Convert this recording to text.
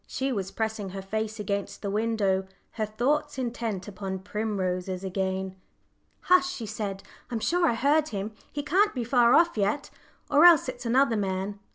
She was pressing her face against the window, her thoughts intent upon primroses again. "Hush!" she said; "I'm sure I heard him. He can't be far off yet, or else it's another man.